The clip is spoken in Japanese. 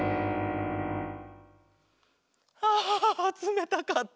ああつめたかった。